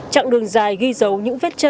trạng đường dài ghi dấu những vết chân